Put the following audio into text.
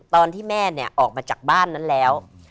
ตอนที่แม่เนี่ยออกมาจากบ้านนั้นแล้ว